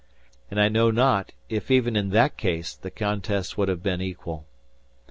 And I know not, if even in that case, the contest would have been equal.